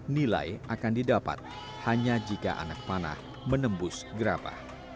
nilai akan didapat hanya jika anak panah menembus gerabah